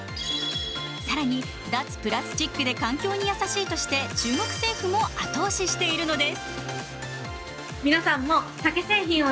更に脱プラスチックで環境に優しいとして中国政府も後押ししているんです。